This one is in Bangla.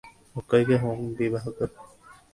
অক্ষয়কে হেম বিবাহ করিবে!